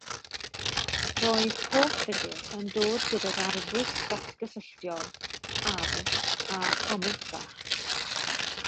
Roedd pob ffigur yn dod gydag arfwisg ddatgysylltiol, arf a chomic bach.